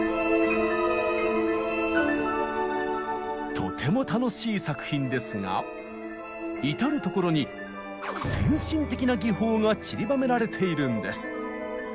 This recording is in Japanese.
とても楽しい作品ですが至る所に先進的な技法がちりばめられているんです。